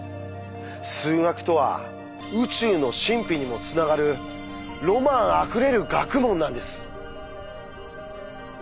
数学とは宇宙の神秘にもつながるロマンあふれる学問なんです。